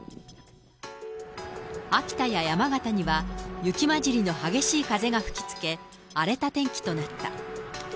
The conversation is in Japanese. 秋田や山形には、雪交じりの激しい風が吹きつけ、荒れた天気となった。